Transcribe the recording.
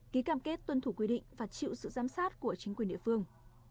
ký cam kết tuân thủ quy định và chịu sự giám sát của chính quyền địa phương